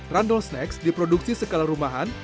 randol snacks diproduksi sekalarumahan